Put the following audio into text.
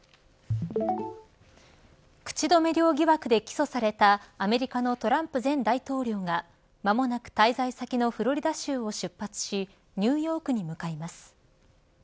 口止め料疑惑で起訴されたアメリカのトランプ前大統領が間もなく滞在先のフロリダ州を出発しニューヨークに向かいます。